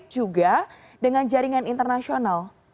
juga dengan jaringan internasional